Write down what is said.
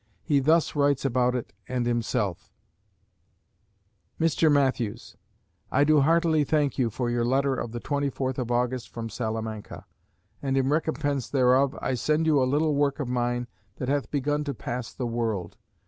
He thus writes about it and himself: "MR. MATTHEWS, I do heartily thank you for your letter of the 24th of August from Salamanca; and in recompense thereof I send you a little work of mine that hath begun to pass the world.